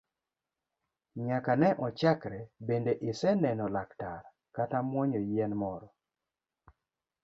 Nyaka ne ochakre bende iseneno laktar kata muonyo yien moro?